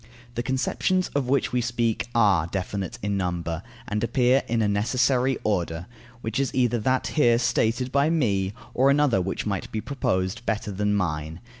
The conceptions of which we speak are definite in number, and appear in a necessary order, which is either that here stated by me, or another which might be proposed, better than mine.